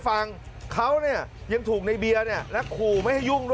ฟังเขาเนี้ยยังถูกในเบียเนี้ยแล้วคูไม่ให้ยุ่ง